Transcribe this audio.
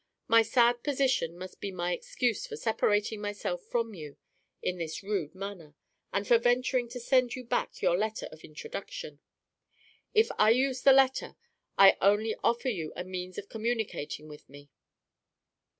My sad position must be my excuse for separating myself from you in this rude manner, and for venturing to send you back your letter of introduction. If I use the letter, I only offer you a means of communicating with me.